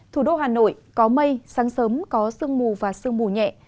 thủ đô hà nội có mây sáng sớm có sương mù và sương mù nhẹ